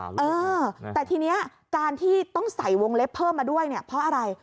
เออแต่ทีนี้การที่ต้องใส่วงเล็บเพิ่มมาด้วยเนี่ยเพราะอะไร